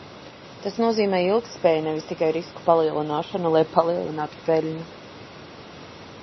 Tas nozīmē ilgtspēju, nevis tikai risku palielināšanu, lai palielinātu peļņu.